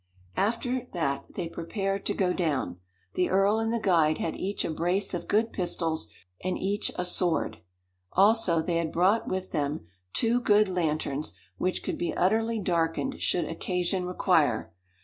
After that they prepared to go down. The earl and the guide had each a brace of good pistols, and each a sword. Also, they had brought with them two good lanterns which could be utterly darkened should occasion require.